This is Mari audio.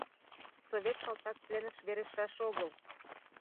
Совет салтак пленыш верештшаш огыл!